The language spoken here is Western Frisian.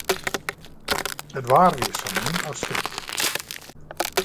It waar wie sa min as strie.